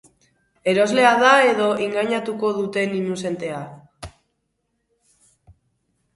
Eroslea da edo engainatuko duten inuzentea?